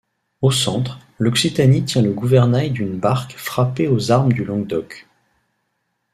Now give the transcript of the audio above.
Au centre, l'Occitanie tient le gouvernail d'une barque frappée aux armes du Languedoc.